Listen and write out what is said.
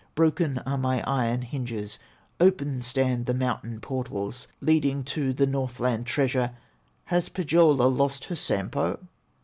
Broken are my iron hinges, Open stand the mountain portals Leading to the Northland treasure. Has Pohyola lost her Sampo?"